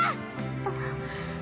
あっ！